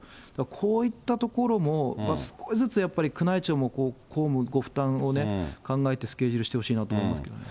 こういったところも、少しずつやっぱり宮内庁も公務、ご負担をね、考えてスケジュールしてほしいなと思いますけどね。